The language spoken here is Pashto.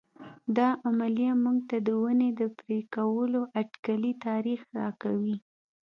دا عملیه موږ ته د ونې د پرې کولو اټکلي تاریخ راکوي.